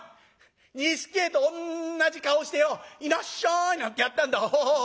錦絵とおんなじ顔してよ『いらっしゃい』なんてやってんだ。